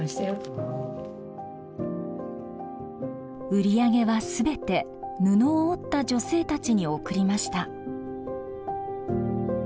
売り上げは全て布を織った女性たちに送りました。